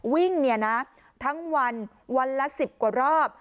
วิ่งเนี่ยนะทั้งวันวันละ๑๐กว่ารอบ